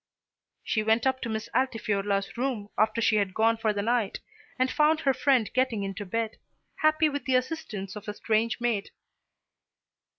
She went up to Miss Altifiorla's room after she had gone for the night, and found her friend getting into bed, happy with the assistance of a strange maid.